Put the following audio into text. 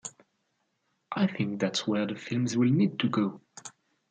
I think that's where the films will need to go.